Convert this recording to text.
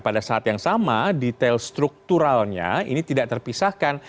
pada saat yang sama detail strukturalnya ini tidak terpisahkan